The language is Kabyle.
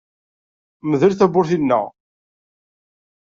Mdel tawwurt-inna!